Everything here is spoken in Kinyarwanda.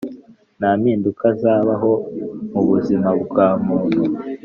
nta mpinduka zabaho mubuzima bwa muntu